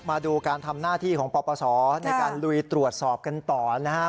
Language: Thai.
มาดูการทำหน้าที่ของปปศในการลุยตรวจสอบกันต่อนะครับ